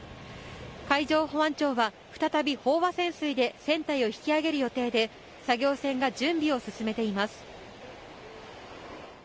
海上保安庁は再び飽和潜水で船体を引き揚げる予定で作業船が準備を進めています。